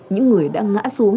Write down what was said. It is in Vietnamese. những người đã ngã xuống